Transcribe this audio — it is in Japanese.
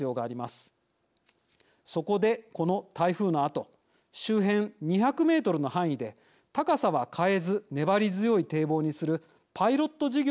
そこでこの台風のあと周辺２００メートルの範囲で高さは変えず粘り強い堤防にするパイロット事業が行われています。